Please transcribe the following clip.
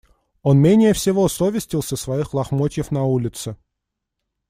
Он менее всего совестился своих лохмотьев на улице.